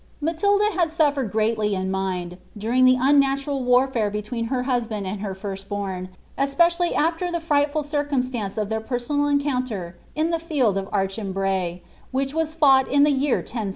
Matilda had sul&red greatly in mind, during the unnatural war&re bfr tween her husband and her tiist born, especially after the frightful eii> cujDstance of their pen^onal encounter in the field of Archembmy^ which was fought in the year 1077.